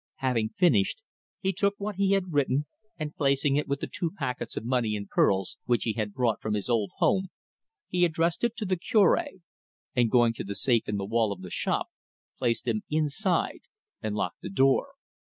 Having finished, he took what he had written, and placing it with the two packets of money and pearls which he had brought from his old home, he addressed it to the Cure, and going to the safe in the wall of the shop, placed them inside and locked the door.